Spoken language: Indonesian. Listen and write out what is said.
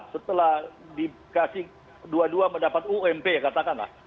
setelah dikasih dua dua mendapat ump katakanlah